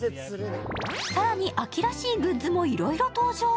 更に、秋らしいグッズもいろいろ登場。